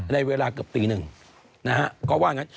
ในเวลาเกือบตีหนึ่งนะฮะก็ว่างั้น